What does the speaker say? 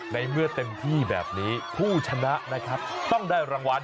ในเมื่อเต็มที่แบบนี้ผู้ชนะนะครับต้องได้รางวัล